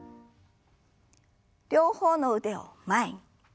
両方の腕を前に。